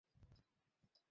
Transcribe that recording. আপনার পরামর্শ কী এখানে?